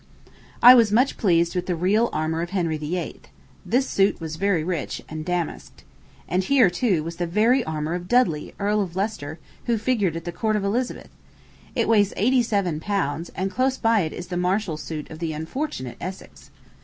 I was much pleased with the real armor of Henry VIII. This suit was very rich, and damasked. And here, too, was the very armor of Dudley, Earl of Leicester, who figured at the court of Elizabeth. It weighs eighty seven pounds; and close by it is the martial suit of the unfortunate Essex.